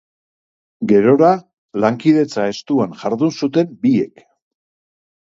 Gerora, lankidetza estuan jardun zuten biek.